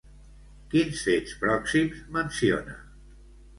Quins fets pròxims menciona?